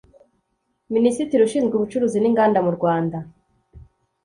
Minisitiri ushinzwe ubucuruzi n’Inganda mu Rwanda